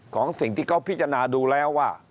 ของสิ่งที่เขาพิจารณาดูแล้วว่า